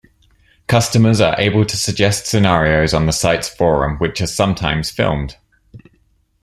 Customers are able to suggest scenarios on the site's forum which are sometimes filmed.